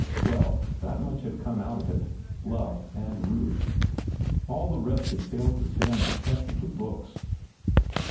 Well, that much had come out of it—love and Ruth. All the rest had failed to stand the test of the books.